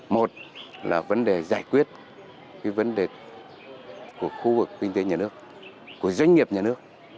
một là vấn đề giải quyết cái vấn đề của khu vực kinh tế nhà nước của doanh nghiệp nhà nước